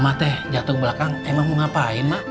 ma teh jatoh belakang emang mau ngapain ma